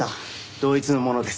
同一のものです。